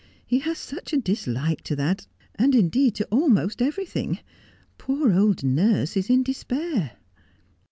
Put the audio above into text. He has such a dislike to that, and indeed to almost everything. Poor old nurse is in despair.'